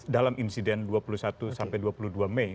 dalam insiden dua puluh satu sampai dua puluh dua mei